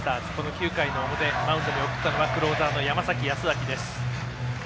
９回の表、マウンドに送ったのはクローザーの山崎康晃です。